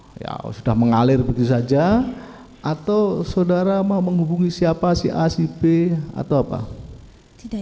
oh ya sudah mengalir begitu saja atau saudara mau menghubungi siapa si acp atau apa tidak